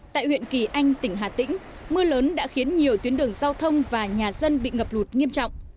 tại huyện kỳ anh tỉnh hà tĩnh mưa lớn đã khiến nhiều tuyến đường giao thông và nhà dân bị ngập lụt nghiêm trọng